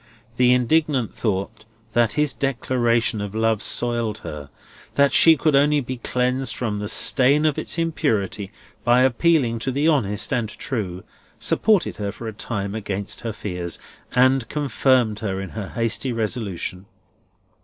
The indignant thought that his declaration of love soiled her; that she could only be cleansed from the stain of its impurity by appealing to the honest and true; supported her for a time against her fears, and confirmed her in her hasty resolution.